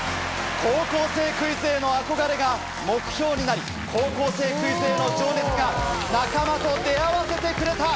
『高校生クイズ』への憧れが目標になり『高校生クイズ』への情熱が仲間と出会わせてくれた。